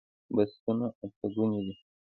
بستونه اته ګوني دي